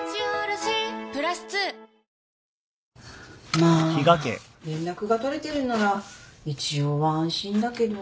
まあ連絡が取れてるなら一応は安心だけど。